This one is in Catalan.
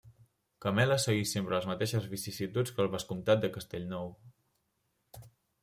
Cameles seguí sempre les mateixes vicissituds que el vescomtat de Castellnou.